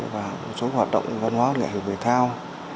và một số hoạt động văn hóa nghệ hữu về thao